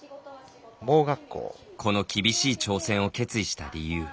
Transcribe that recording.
この厳しい挑戦を決意した理由。